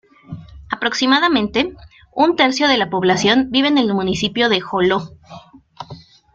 Aproximadamente, un tercio de la población vive en el municipio de Joló.